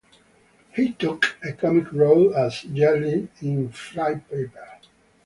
He took a comic role as "Jelly" in "Flypaper".